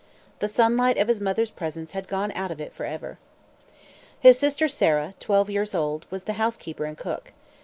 The sunlight of his mother's presence had gone out of it forever. His sister Sarah, twelve years old, was the housekeeper and cook.